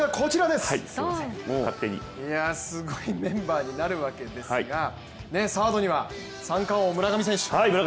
すごいメンバーになるわけですがサードには、三冠王・村上選手。